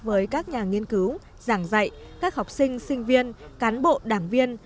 với các nhà nghiên cứu giảng dạy các học sinh sinh viên cán bộ đảng viên